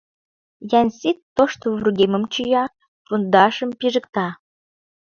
Янсит тошто вургемым чия, пондашым пижыкта.